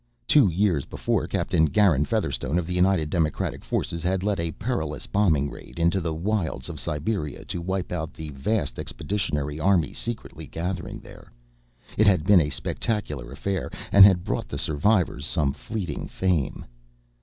Two years before, Captain Garin Featherstone of the United Democratic Forces had led a perilous bombing raid into the wilds of Siberia to wipe out the vast expeditionary army secretly gathering there. It had been a spectacular affair and had brought the survivors some fleeting fame.